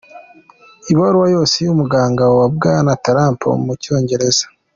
Ibaruwa yose y'umuganga wa Bwana Trump mu Cyongereza:.